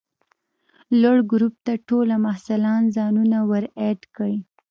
لوړ ګروپ ته ټوله محصلان ځانونه ور اډ کئ!